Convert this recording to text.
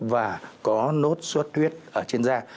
và có nốt suốt huyết ở trên da